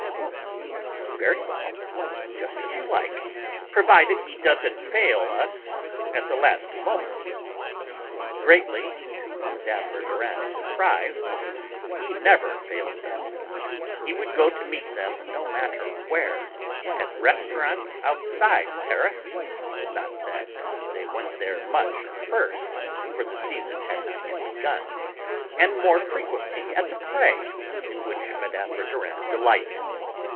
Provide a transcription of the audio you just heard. "Oh, very well; just as you like. Provided he doesn't fail us at the last moment." Greatly to Mme. Verdurin's surprise, he never failed them. He would go to meet them, no matter where, at restaurants outside Paris (not that they went there much at first, for the season had not yet begun), and more frequently at the play, in which Mme. Verdurin delighted.